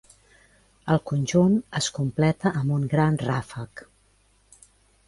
El conjunt es completa amb un gran ràfec.